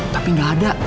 tapi gak ada